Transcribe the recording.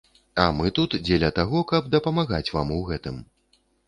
А мы тут дзеля таго, каб дапамагаць вам у гэтым.